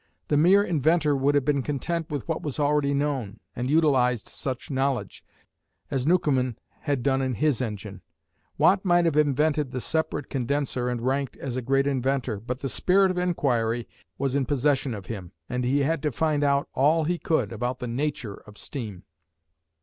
The mere inventor would have been content with what was already known, and utilised such knowledge, as Newcomen had done in his engine. Watt might have invented the separate condenser and ranked as a great inventor, but the spirit of enquiry was in possession of him, and he had to find out all he could about the nature of steam.